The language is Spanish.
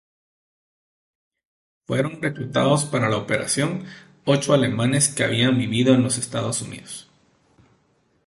Fueron reclutados para la operación ocho alemanes que habían vivido en los Estados Unidos.